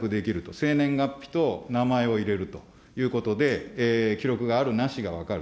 生年月日と名前を入れるということで、記録があるなしが分かる。